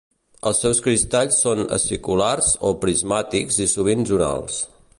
Els seus cristalls són aciculars o prismàtics i sovint zonals.